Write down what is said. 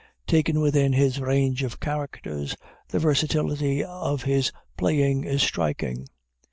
Taken within his range of characters, the versatility of his playing is striking.